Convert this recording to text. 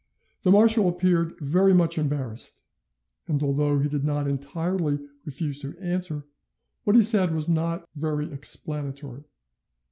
The marshal appeared very much embarrassed, and although he did not entirely refuse to answer, what he said was not very explanatory.